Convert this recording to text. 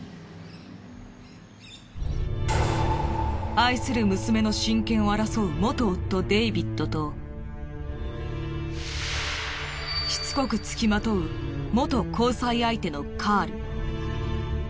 愛する娘の親権を争う元夫デイビッドとしつこく付きまとう元交際相手のカール。